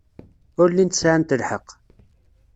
Ur llint sɛant lḥeqq.